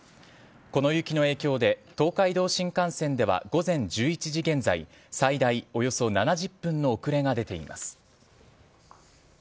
この雪の影響で東海道新幹線では午前１１時現在最大およそ７０分の遅れが出ています。